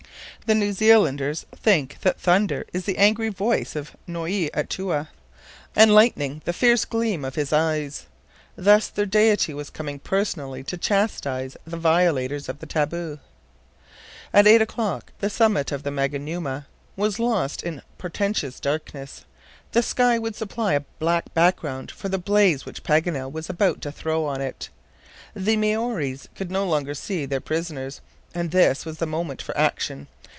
The New Zealanders think that thunder is the angry voice of Noui Atoua, and lightning the fierce gleam of his eyes. Thus their deity was coming personally to chastise the violators of the taboo. At eight o'clock, the summit of the Maunganamu was lost in portentous darkness. The sky would supply a black background for the blaze which Paganel was about to throw on it. The Maories could no longer see their prisoners; and this was the moment for action.